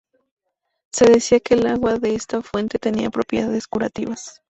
Se decía que el agua de esta fuente tenía propiedades curativas.